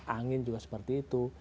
angin juga seperti itu